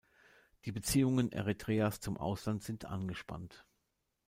Die Beziehungen Eritreas zum Ausland sind angespannt.